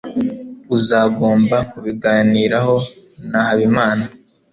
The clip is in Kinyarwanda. uzagomba kubiganiraho na habimana